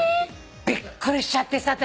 びっくりしちゃってさ私。